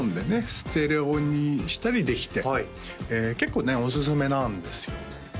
ステレオにしたりできて結構ねおすすめなんですよ